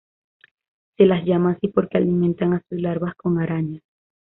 Se las llama así porque alimentan a sus larvas con arañas.